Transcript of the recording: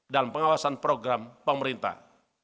dalam pengawasan program pemerintah